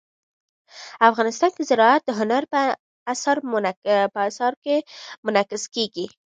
افغانستان کې زراعت د هنر په اثار کې منعکس کېږي.